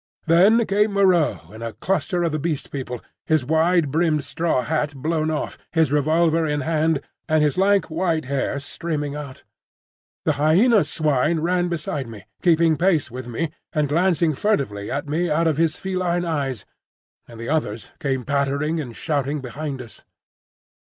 Then came Moreau in a cluster of the Beast People, his wide brimmed straw hat blown off, his revolver in hand, and his lank white hair streaming out. The Hyena swine ran beside me, keeping pace with me and glancing furtively at me out of his feline eyes, and the others came pattering and shouting behind us.